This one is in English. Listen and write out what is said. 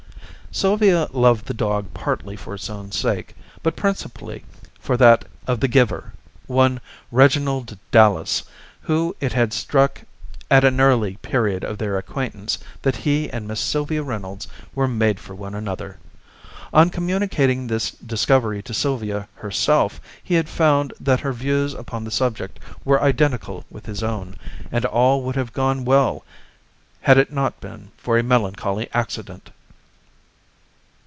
Sylvia loved the dog partly for its own sake, but principally for that of the giver, one Reginald Dallas, whom it had struck at an early period of their acquaintance that he and Miss Sylvia Reynolds were made for one another. On communicating this discovery to Sylvia herself he had found that her views upon the subject were identical with his own; and all would have gone well had it not been for a melancholy accident.